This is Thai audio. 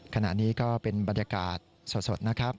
ขณะนี้ก็เป็นบรรยากาศสดนะครับ